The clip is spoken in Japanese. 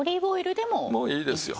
でもいいですよ。